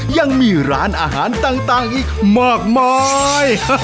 ยังมีร้านอาหารต่างอีกมากมาย